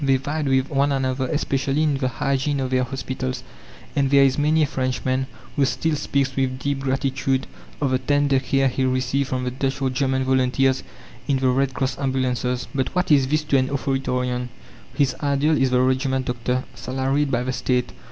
They vied with one another especially in the hygiene of their hospitals. And there is many a Frenchman who still speaks with deep gratitude of the tender care he received from the Dutch or German volunteers in the Red Cross ambulances. But what is this to an authoritarian? His ideal is the regiment doctor, salaried by the State.